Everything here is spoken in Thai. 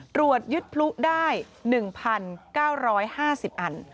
ตรวจยึดพลุได้๑๙๕๐อัน